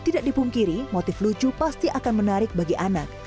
tidak dipungkiri motif lucu pasti akan menarik bagi anak